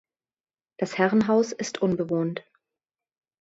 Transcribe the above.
Das Herrenhaus ist unbewohnt.